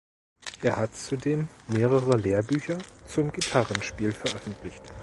Er hat zudem mehrere Lehrbücher zum Gitarrenspiel veröffentlicht.